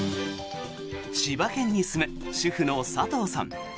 千葉県に住む主婦の佐藤さん。